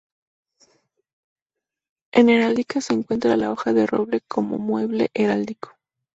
En heráldica se encuentra la hoja de roble como mueble heráldico.